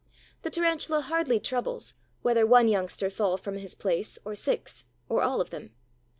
The Tarantula hardly troubles, whether one youngster fall from his place, or six, or all of them.